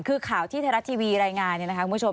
คือข่าวที่ไทยรัฐทีวีรายงานเนี่ยนะคะคุณผู้ชม